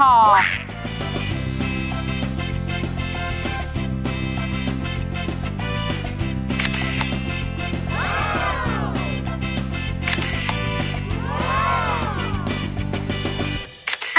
โอ้โห